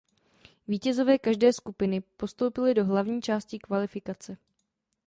Vítězové každé skupiny postoupili do hlavní části kvalifikace.